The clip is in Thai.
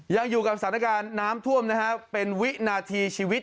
ยังอยู่กับสถานการณ์น้ำท่วมนะฮะเป็นวินาทีชีวิต